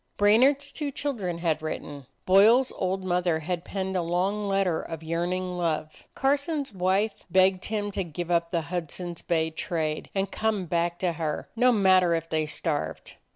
Brainard's two children had written; Boyle's old mother had penned a long letter of yearning love; Carson's wife begged him to give up the Hudson's Bay trade, and come back to her, no matter if they starved.